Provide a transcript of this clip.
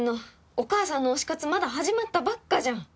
お母さんの推し活まだ始まったばっかじゃん！